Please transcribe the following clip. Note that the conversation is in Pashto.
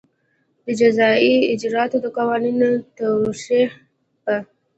د جزایي اجراآتو د قانون د توشېح په